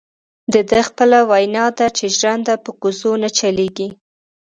دده خپله وینا ده چې ژرنده په کوزو نه چلیږي.